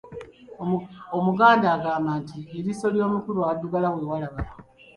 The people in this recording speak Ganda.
Omuganda agamba nti, "eriiso ly'omukulu awaddugala we walaba".